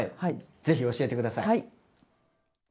ぜひ教えて下さい。